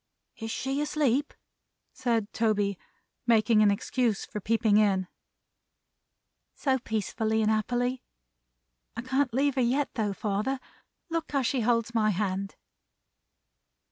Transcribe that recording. "Is she asleep?" said Toby, making an excuse for peeping in. "So peacefully and happily! I can't leave her yet though, father. Look how she holds my hand!"